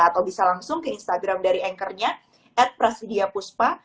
atau bisa langsung ke instagram dari anchornya at prasidya puspa